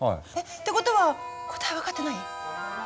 ってことは答え分かってない？